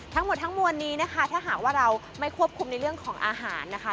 ทั้งหมดทั้งมวลนี้นะคะถ้าหากว่าเราไม่ควบคุมในเรื่องของอาหารนะคะ